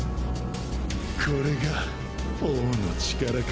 これが王の力か。